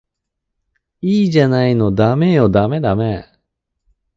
いいじゃないのダメよダメダメ